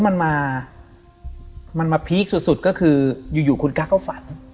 มันมามันมาพีคสุดก็คืออยู่คุณกั๊กก็ฝัน